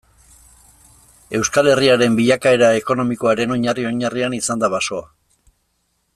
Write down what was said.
Euskal Herriaren bilakaera ekonomikoaren oinarri-oinarrian izan da basoa.